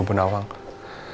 sampai jumpa lagi